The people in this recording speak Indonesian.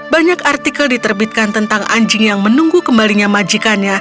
banyak artikel diterbitkan tentang anjing yang menunggu kembalinya majikannya